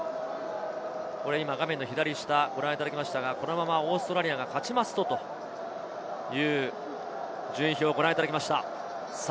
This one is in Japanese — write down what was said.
画面の左下ご覧いただきましたが、このままオーストラリアが勝つという順位表をご覧いただきました。